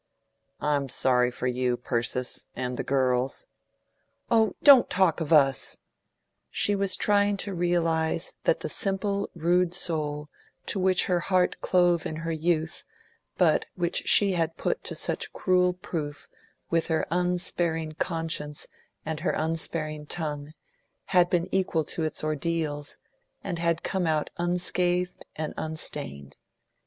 I'm sorry for you, Persis and the girls." "Oh, don't talk of US!" She was trying to realise that the simple, rude soul to which her heart clove in her youth, but which she had put to such cruel proof, with her unsparing conscience and her unsparing tongue, had been equal to its ordeals, and had come out unscathed and unstained.